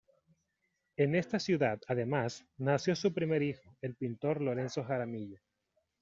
En esta ciudad, además, nació su primer hijo, el pintor Lorenzo Jaramillo.